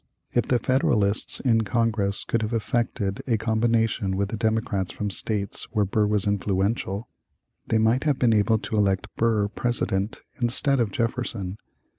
If the Federalists in Congress could have effected a combination with the Democrats from states where Burr was influential, they might have been able to elect Burr President instead of Jefferson.